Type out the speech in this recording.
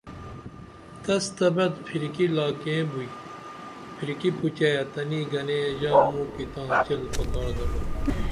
تس تہ بعد پھرکی لاکیم بوئی پھرکی پوچے تنے گنے ژا موکی تاں چیل پکار درو